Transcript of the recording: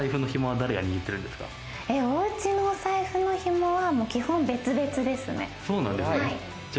おうちのお財布のヒモは、基本別々ですね。